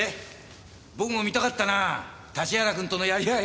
僕も見たかったなぁ立原くんとのやり合い。